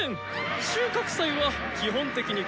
収穫祭は基本的に個人戦。